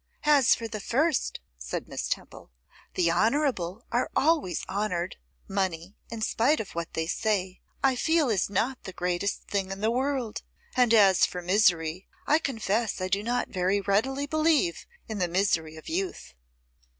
'As for the first,' said Miss Temple, 'the honourable are always honoured; money, in spite of what they say, I feel is not the greatest thing in the world; and as for misery, I confess I do not very readily believe in the misery of youth.